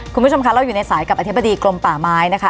คุณผู้ชมคะเราอยู่ในสายกับอธิบดีกรมป่าไม้นะคะ